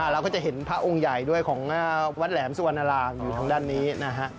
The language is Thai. เราก็จะเห็นพระองค์ใหญ่ด้วยของวัดแหลมสุวรรณรามอยู่ทางด้านนี้นะฮะ